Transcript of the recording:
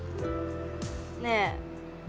ねえ。